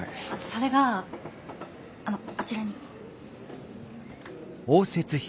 それがあのあちらに。